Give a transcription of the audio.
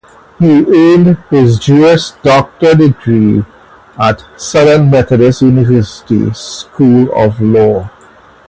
He earned his Juris Doctor degree at Southern Methodist University School of Law.